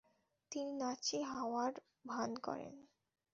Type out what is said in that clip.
তিনি নাৎসি হওয়ার ভান করেন।